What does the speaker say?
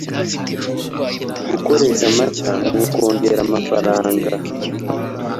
Gukoresha amata ni ukongera amafaranga